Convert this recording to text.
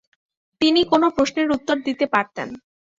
তিনি কোনও প্রশ্নের উত্তর দিতে পারতেন।